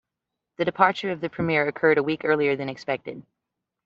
The departure of the premier occurred a week earlier than expected.